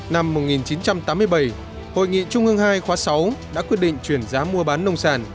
năm một nghìn chín trăm tám mươi bảy hội nghị trung ương hai khóa sáu đã quyết định chuyển giá mua bán nông sản